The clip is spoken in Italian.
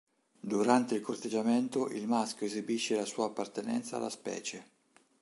Durante il corteggiamento il maschio esibisce la sua appartenenza alla specie.